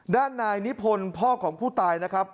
ด้านนายนิพนธ์พ่อของผู้ตายนะครับ